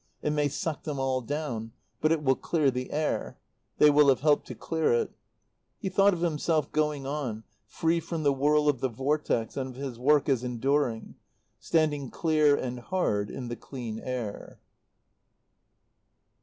It may suck them all down. But it will clear the air. They will have helped to clear it." He thought of himself going on, free from the whirl of the Vortex, and of his work as enduring; standing clear and hard in the clean air.